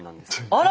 あら！